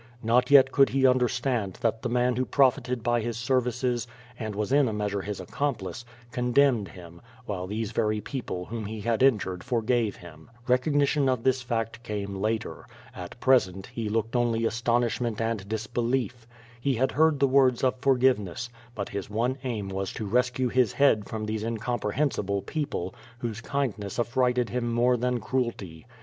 Not yet could he understand that the man who profited by his 8cr\'ices and was in a measure his accomplice, condemned him, while these very people whom he had injured forgave him. Recognition of this fact came later. At present he looked only astonishment and disbelief. He had heard the words of forgiveness, but his one aim was to rescue his head from these incomprehensible people, whose kindness affrighted him more than cruelty.